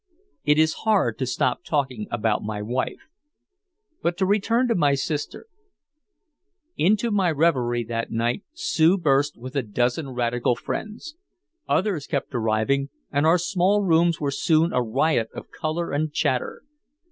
It is hard to stop talking about my wife. But to return to my sister: Into my reverie that night Sue burst with a dozen radical friends. Others kept arriving, and our small rooms were soon a riot of color and chatter.